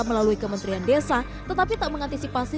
melalui kementerian desa tetapi tak mengantisipasi